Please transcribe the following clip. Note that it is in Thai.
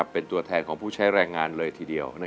เป็นตัวแทนของผู้ใช้แรงงานเลยทีเดียว